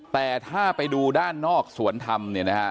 แต่ถ้าไปดูด้านนอกสวนธรรมเนี่ยนะฮะ